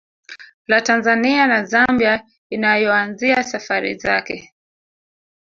La Tanzania na Zambia inayoanzia safari zake